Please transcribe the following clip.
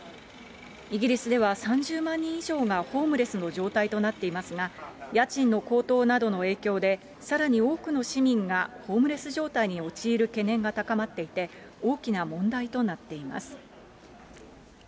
イギリスでは３０万人以上がホームレスの状態となっていますが、家賃の高騰などの影響で、さらに多くの市民がホームレス状態に陥る懸念が高まっていて、大きな問題となっています。